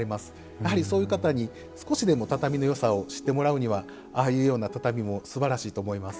やはりそういう方に少しでも畳のよさを知ってもらうにはああいうような畳もすばらしいと思います。